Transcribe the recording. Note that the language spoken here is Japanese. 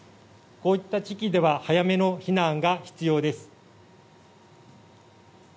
こういった地域では早めの避難が必要です。